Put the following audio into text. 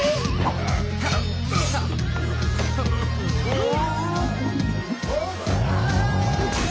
うわ！